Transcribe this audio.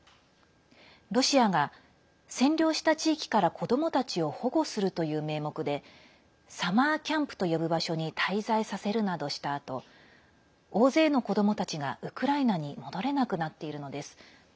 ロシアが占領した地域から子どもたちを保護するという名目でサマーキャンプと呼ぶ場所に滞在させるなどしたあと大勢の子どもたちがウクライナに戻れなくなっているのです。